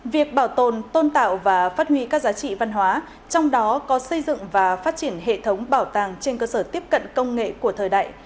việc bảo tồn tôn tạo và phát huy các giá trị văn hóa trong đó có xây dựng và phát triển hệ thống bảo tàng trên cơ sở tiếp cận công nghệ của thời đại